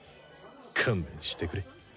勘弁してくれ。